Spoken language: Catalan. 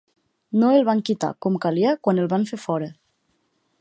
No el van quitar com calia quan el van fer fora.